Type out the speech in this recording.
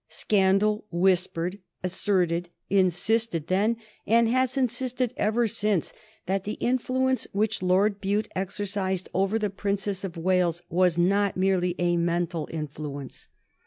Scandal whispered, asserted, insisted then and has insisted ever since, that the influence which Lord Bute exercised over the Princess of Wales was not merely a mental influence.